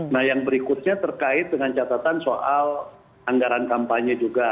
nah yang berikutnya terkait dengan catatan soal anggaran kampanye juga